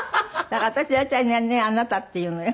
だから私大体ね「ねえあなた」って言うのよ。